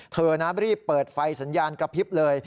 เธอนะรีบเปิดไฟสัญญาณกระพริบเลย